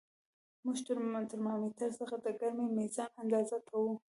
موږ د ترمامتر څخه د ګرمۍ میزان اندازه کوو.